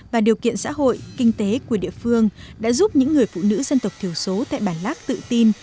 và điều kiện xã hội kinh tế của địa phương đã giúp những người phụ nữ dân tộc thiểu số tại bản lác tự tin